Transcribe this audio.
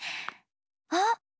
あっ！